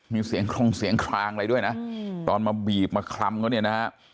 มีเสียงโครงเสียงคลางอะไรด้วยนะตอนมาบีบมาคลำเขาเนี่ยนะฮะ